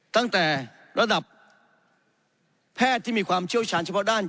ตั้งแต่ระดับแพทย์ที่มีความเชี่ยวชาญเฉพาะด้าน